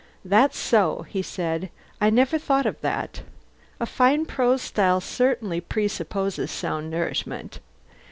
"That's so," he said. "I never thought of that. A fine prose style certainly presupposes sound nourishment.